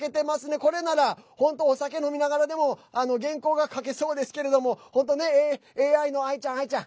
これなら本当お酒、飲みながらでも原稿が書けそうですけれども本当ねＡＩのＡＩちゃん、アイちゃん。